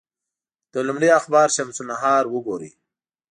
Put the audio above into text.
د لومړي اخبار شمس النهار وګوري.